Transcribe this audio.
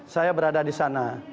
saya berada di sana